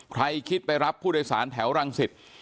ใครคิดไปรับผู้โดยสารแถวรังสิต